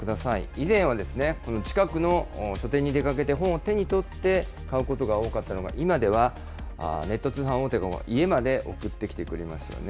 以前はこの近くの書店に出かけて、本を手に取って買うことが多かったのが、今ではネット通販大手が家まで送ってきてくれますよね。